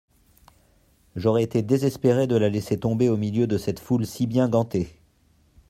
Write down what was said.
J'aurais été désespérée de la laisser tomber au milieu de cette foule si bien gantée.